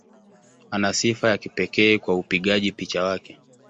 Ana sifa ya kipekee kwa upigaji picha wake.